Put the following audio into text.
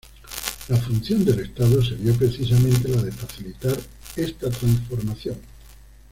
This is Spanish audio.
La función del Estado sería precisamente la de facilitar esta transformación.